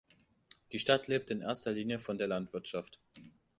Die Stadt lebt in erster Linie von der Landwirtschaft.